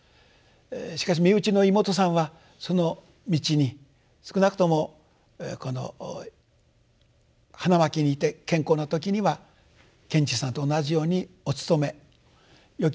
しかし身内の妹さんはその道に少なくともこの花巻にいて健康な時には賢治さんと同じようにお勤めよき理解者でもあったと。